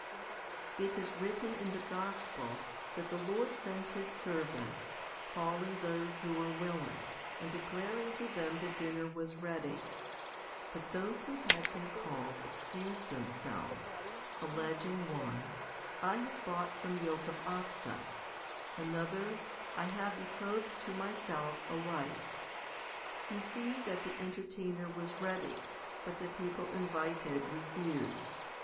31. It is written in the gospel that the Lord sent His servants, calling those who were willing, and declaring to them that dinner was ready ; but those who had been called excused themselves, alleging, one, "I have bought some yoke of oxen," another, " I have betrothed to myself a wife." l You see that the entertainer was ready, but the people invited refused.